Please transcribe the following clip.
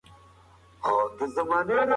غلام په خپل ایمان کې ثابت قدم و.